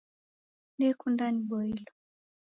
Nekunda niboilo